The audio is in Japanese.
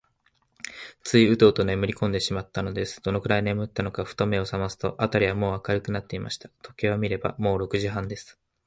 ついウトウトねむりこんでしまったのです。どのくらいねむったのか、ふと目をさますと、あたりはもう明るくなっていました。時計を見れば、もう六時半です。